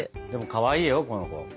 でもかわいいよこの子。